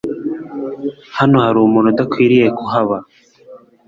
Hano hari umuntu udakwiriye kuhaba